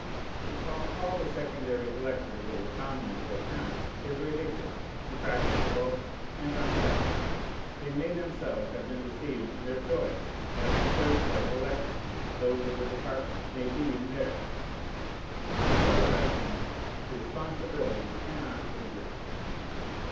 To call all the secondary electors of the commune to account is ridiculous, impracticable, and unjust: they may themselves have been deceived in their choice, as the third set of electors, those of the department, may be in theirs. In your elections responsibility cannot exist.